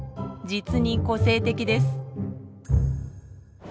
実に個性的です。